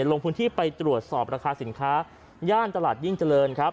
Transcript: ลงพื้นที่ไปตรวจสอบราคาสินค้าย่านตลาดยิ่งเจริญครับ